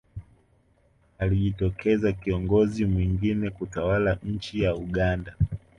alijitokeza kiongozi mwingine kutawala nchi ya uganda